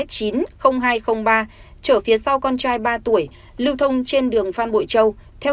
chở phía sau con trai ba tuổi lưu thông trên đường phan bội châu theo